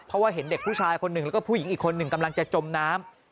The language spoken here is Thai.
เพราะว่าเห็นเด็กผู้ชายคนหนึ่งแล้วก็ผู้หญิงอีกคนหนึ่งกำลังจะจมน้ำ